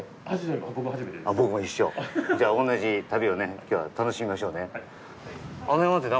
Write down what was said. じゃあ、同じ旅をね、きょうは楽しみましょうね。